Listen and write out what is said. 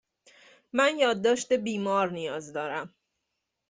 من یادداشت بیمار نیاز دارم.